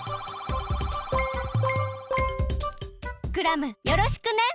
クラムよろしくね！